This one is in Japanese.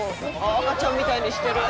赤ちゃんみたいにしてる。